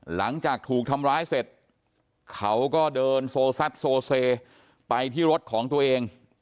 หลังจากถูกทำร้ายเสร็จเขาก็เดินโซซัดโซเซไปที่รถของตัวเอง